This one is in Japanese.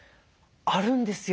あるんですよ。